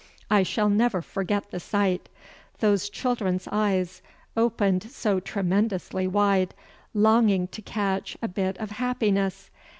I shall never forget the sight. Those children's eyes, opened so tremendously wide, longing to catch a bit of happiness!